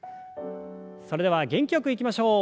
それでは元気よくいきましょう。